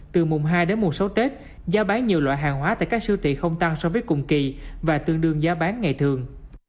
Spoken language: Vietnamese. từ mùng hai đến mùng sáu tết giá bán nhiều loại hàng hóa tại các siêu thị không tăng so với cùng kỳ và tương đương giá bán ngày thường